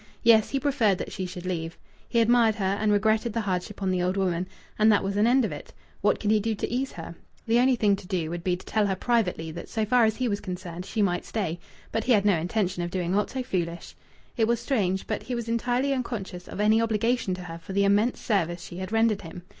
Yes, he preferred that she should leave. He admired her and regretted the hardship on the old woman and that was an end of it! What could he do to ease her? The only thing to do would be to tell her privately that so far as he was concerned she might stay. But he had no intention of doing aught so foolish. It was strange, but he was entirely unconscious of any obligation to her for the immense service she had rendered him.